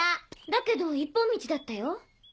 だけど一本道だったよ。